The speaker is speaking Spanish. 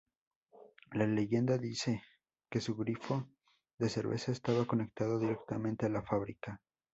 La leyenda dice que su grifo de cerveza estaba conectado directamente a la fábrica.